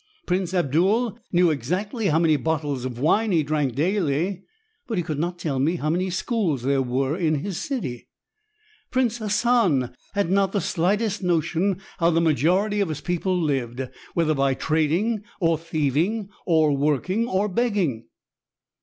Prince Abdul knew exactly how many bottles of wine he drank daily, but he could not tell me how many schools there were in his city. Prince Hassan had not the slightest notion how the majority of his people lived, whether by trading, or thieving, or working, or begging."